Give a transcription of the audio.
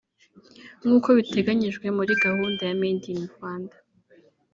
nkuko biteganyijwe muri gahunda ya Made in Rwanda